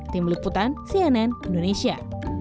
tim liputan cnn indonesia